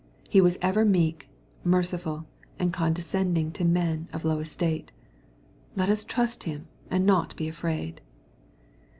He is ever meek^ meicifal, and condescending to men of low estate. Ctjet ns trust Him and not be afraid.